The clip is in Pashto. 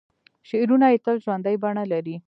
شعرونه یې تل ژوندۍ بڼه لري.